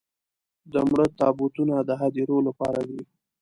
د مړو تابوتونه د هديرو لپاره دي.